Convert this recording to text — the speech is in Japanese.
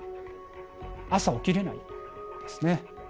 朝起きれないんですね。